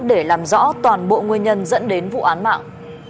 để làm rõ toàn bộ nguyên nhân dẫn đến vụ án mạng